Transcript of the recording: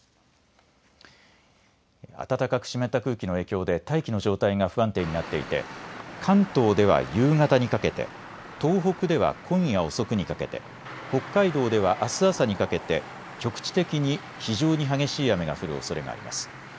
暖かく湿った空気の影響で大気の状態が不安定になっていて関東では夕方にかけて、東北では今夜遅くにかけて、北海道ではあす朝にかけて局地的に非常に激しい雨が降るおそれがあります。